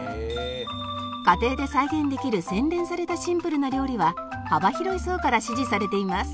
家庭で再現できる洗練されたシンプルな料理は幅広い層から支持されています